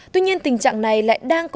tuy nhiên tình trạng này lại đang có